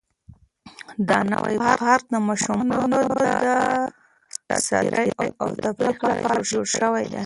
دا نوی پارک د ماشومانو د ساتیرۍ او تفریح لپاره جوړ شوی دی.